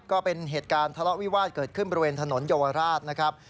ก็เป็นเหตุการณ์ทะเลาะวิวาสเกิดขึ้นบริเวณถนนเยาวราชนะครับ